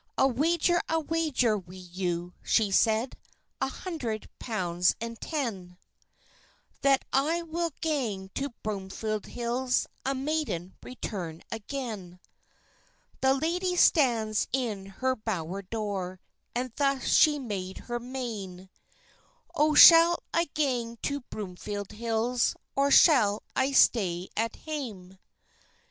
"I'll wager a wager wi' you," she said, "A hundred pounds and ten, That I will gang to Broomfield Hills, A maiden return again." The lady stands in her bower door, And thus she made her mane: "Oh, shall I gang to Broomfield Hills, Or shall I stay at hame?